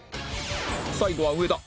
最後は上田